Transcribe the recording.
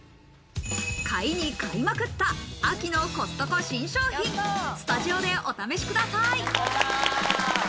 買いに買いまくった秋のコストコ新商品、スタジオでお試しください。